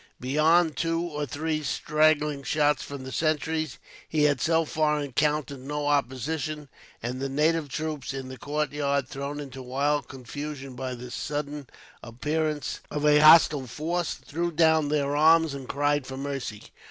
Beyond two or three straggling shots from the sentries, he had so far encountered no opposition, and the native troops in the courtyard, thrown into wild confusion by this sudden appearance of a hostile force, threw down their arms and cried for mercy.